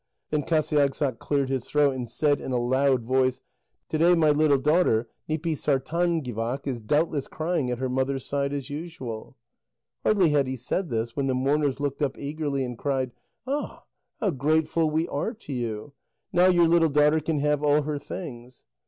Then Qasiagssaq cleared his throat and said in a loud voice: "To day my little daughter Nipisartángivaq is doubtless crying at her mother's side as usual." Hardly had he said this when the mourners looked up eagerly, and cried: "Ah, how grateful we are to you! Now your little daughter can have all her things."